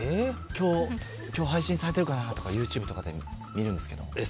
今日、配信されてるかなとかＹｏｕＴｕｂｅとかで見るんですけど。